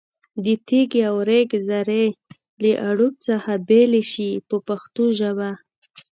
د تېږې او ریګ ذرې له اړوب څخه بېلې شي په پښتو ژبه.